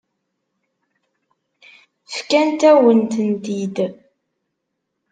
Fkant-awen-tent-id.